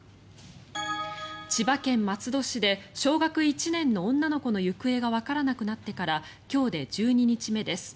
千葉県松戸市で小学１年の女の子の行方がわからなくなってから今日で１２日目です。